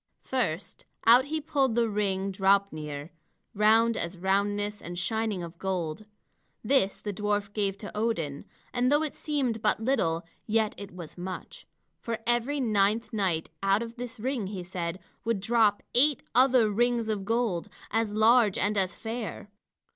First, out he pulled the ring Draupnir, round as roundness and shining of gold. This the dwarf gave to Odin, and though it seemed but little, yet it was much. For every ninth night out of this ring, he said, would drop eight other rings of gold, as large and as fair.